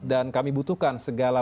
dan kami butuhkan segala